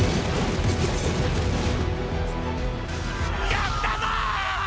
やったぞ！！